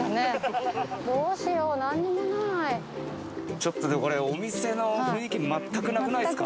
ちょっとでもこれお店の雰囲気全くなくないですか？